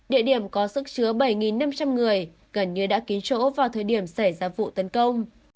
địa điểm có sức chứa bảy năm trăm linh người gần như đã ký chỗ vào thời điểm xảy ra vụ tấn công